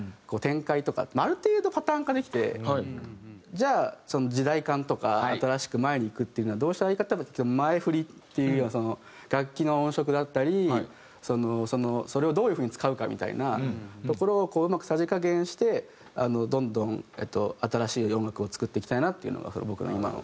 じゃあその時代観とか新しく前にいくっていうのはどうしたらいいかっていったら前フリっていうような楽器の音色だったりそれをどういう風に使うかみたいなところをこううまくさじ加減してどんどん新しい音楽を作っていきたいなっていうのが僕の今の。